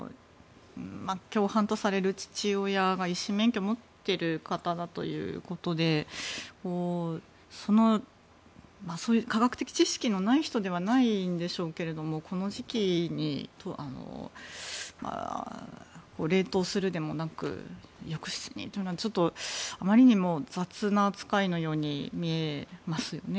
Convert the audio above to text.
共犯とされる父親が医師免許を持っている方だということで科学的知識のない人ではないんでしょうがこの時期に冷凍するでもなく浴室にというのはちょっとあまりにも雑な扱いのように見えますよね。